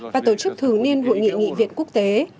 và tổ chức thường niên hội nghị thượng đỉnh ba năm một lần